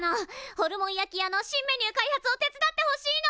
ホルモン焼き屋の新メニュー開発を手伝ってほしいの！